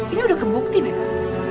ini udah kebukti meika